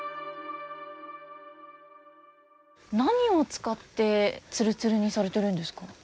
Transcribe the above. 何を使ってツルツルにされてるんですか。